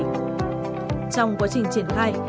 trong quá trình triển khai